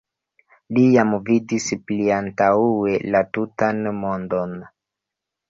Li jam vidis pliantaŭe la tutan mondon.